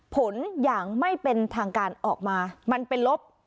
ผลอย่างไม่เป็นทางการออกมามันเป็นลบ